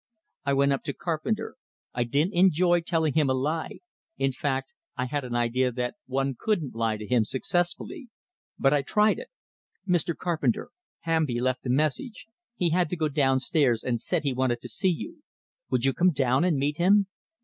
I went up to Carpenter. I didn't enjoy telling him a lie; in fact, I had an idea that one couldn't lie to him successfully. But I tried it. "Mr. Carpenter, Hamby left a message; he had to go downstairs, and said he wanted to see you. Would you come down and meet him?"